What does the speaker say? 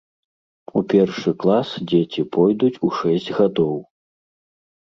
У першы клас дзеці пойдуць у шэсць гадоў.